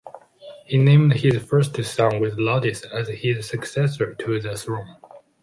He named his first son with Laodice as his successor to the throne.